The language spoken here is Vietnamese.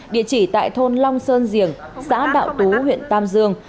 địa chỉ tại thôn long sơn diềng xã đạo tú huyện tam dương